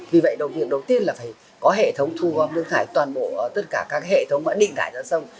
vì vậy đầu việc đầu tiên là phải có hệ thống thu gom nước thải toàn bộ tất cả các hệ thống định thải ra sông